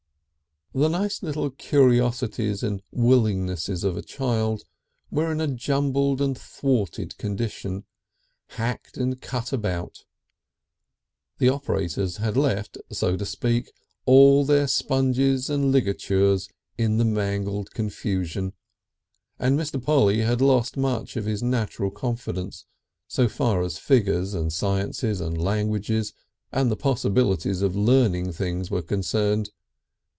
The nice little curiosities and willingnesses of a child were in a jumbled and thwarted condition, hacked and cut about the operators had left, so to speak, all their sponges and ligatures in the mangled confusion and Mr. Polly had lost much of his natural confidence, so far as figures and sciences and languages and the possibilities of learning things were concerned.